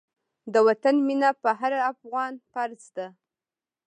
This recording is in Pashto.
د وطن مينه په هر افغان فرض ده.